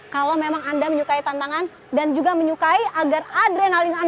kalau memang anda menyukai tantangan dan juga menyukai agar adrenalin anda juga bisa menangani pertempuran di area ini